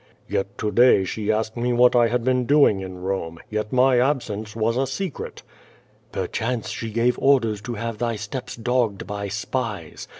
"Yet to day she asked me what 1 had been doing in Eome, yet my absence was a secret." "Perchance she gave orders to have thy steps dogged by spies.